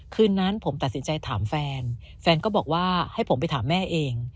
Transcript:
คืนนั้นผมตัดสินใจถามแฟนแฟนก็บอกว่าให้ผมไปถามแม่เอง